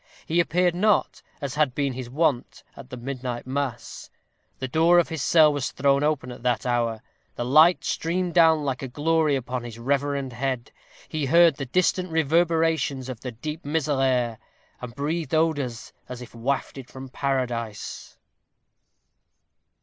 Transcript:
He appeared not, as had been his wont, at the midnight mass; the door of his cell was thrown open at that hour; the light streamed down like a glory upon his reverend head; he heard the distant reverberations of the deep Miserere; and breathed odors as if wafted from Paradise.